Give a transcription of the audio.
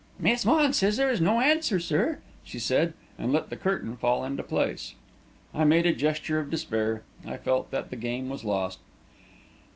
"Miss Vaughan says there is no answer, sir," she said, and let the curtain fall into place again. I made a gesture of despair; I felt that the game was lost.